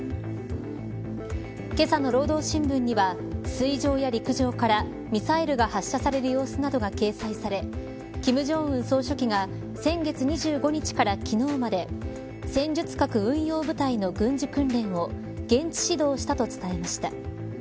けさの労働新聞には水上や陸上からミサイルが発射される様子などが掲載され金正恩総書記が先月２５日から昨日まで戦術核運用部隊の軍事訓練を現地指導したと伝えました。